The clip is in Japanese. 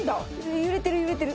揺れてる揺れてる。